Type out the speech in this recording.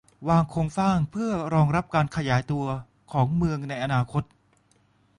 วางโครงสร้างเพื่อรองรับการขยายตัวของเมืองในอนาคต